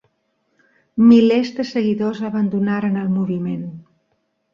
Milers de seguidors abandonaren el moviment.